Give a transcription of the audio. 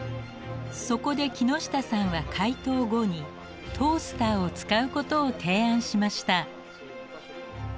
そこで木下さんは解凍後にトースターを使うことを提案しました。